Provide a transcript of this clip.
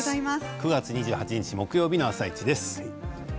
９月２８日木曜日の「あさイチ」です。